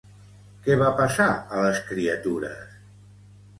Què va passar a les criatures?